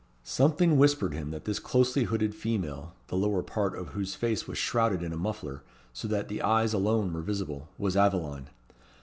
Something whispered him that this closely hooded female, the lower part of whose face was shrouded in a muffler, so that the eyes alone were visible, was Aveline.